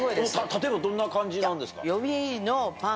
例えばどんな感じなんですか？